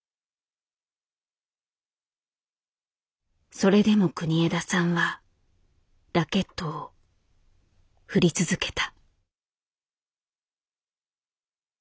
それでも国枝さんはラケットを振り続けた。